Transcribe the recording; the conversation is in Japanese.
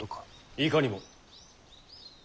いかにも。